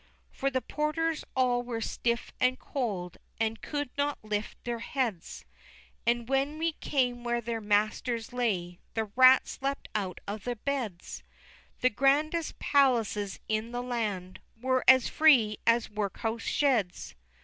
XVIII. For the porters all were stiff and cold, And could not lift their heads; And when we came where their masters lay, The rats leapt out of the beds: The grandest palaces in the land Were as free as workhouse sheds.